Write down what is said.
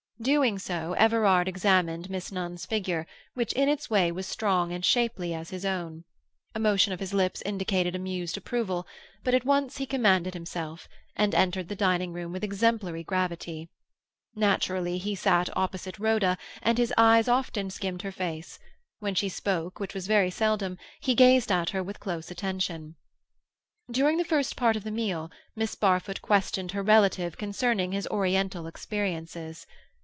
Doing so, Everard examined Miss Nunn's figure, which in its way was strong and shapely as his own. A motion of his lips indicated amused approval, but at once he commanded himself, and entered the dining room with exemplary gravity. Naturally, he sat opposite Rhoda, and his eyes often skimmed her face; when she spoke, which was very seldom, he gazed at her with close attention. During the first part of the meal, Miss Barfoot questioned her relative concerning his Oriental experiences.